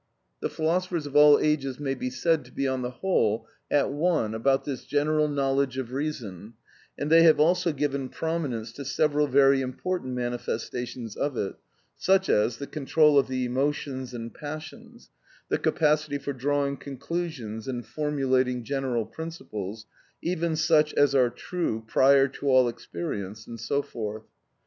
The philosophers of all ages may be said to be on the whole at one about this general knowledge of reason, and they have also given prominence to several very important manifestations of it; such as, the control of the emotions and passions, the capacity for drawing conclusions and formulating general principles, even such as are true prior to all experience, and so forth.